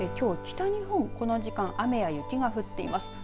きょう北日本、この時間雨や雪が降っています。